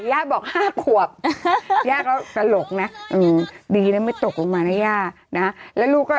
ย่าบอก๕ขวบย่าก็ตลกนะอืมดีนะไม่ตกลงมานะย่านะแล้วลูกก็